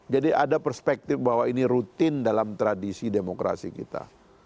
jadi ada perspektif bahwa ini rutin dalam tradisi demokrasi kita